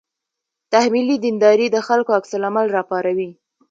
تحمیلي دینداري د خلکو عکس العمل راپاروي.